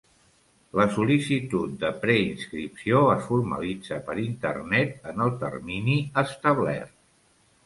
La sol·licitud de preinscripció es formalitza per Internet en el termini establert.